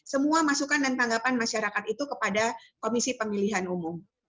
semua masukan dan tanggapan masyarakat itu kepada komisi pemilihan umum